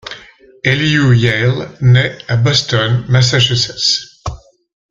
Elihu Yale naît à Boston, Massachusetts.